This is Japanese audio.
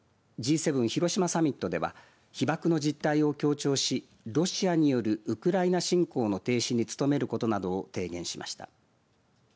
７広島サミットでは被爆の実態を強調しロシアによるウクライナ侵攻の停止に努めることなどを提言しました。